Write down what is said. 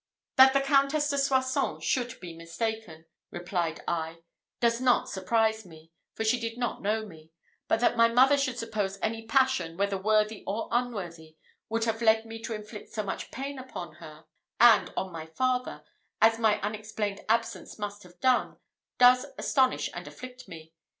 "That the Countess de Soissons should be mistaken," replied I, "does not surprise me, for she did not know me; but that my mother should suppose any passion, whether worthy or unworthy, would have led me to inflict so much pain upon her, and on my father, as my unexplained absence must have done, does astonish and afflict me.